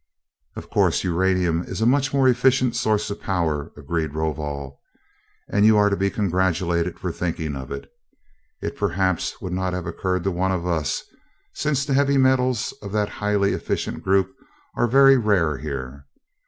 "Of course, uranium is a much more efficient source of power," agreed Rovol, "and you are to be congratulated for thinking of it. It perhaps would not have occurred to one of us, since the heavy metals of that highly efficient group are very rare here.